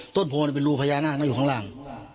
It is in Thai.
ต้นโพนเป็นรูภัยญะอยู่ข้างล่าง